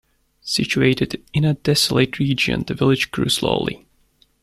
Situated in a desolate region, the village grew slowly.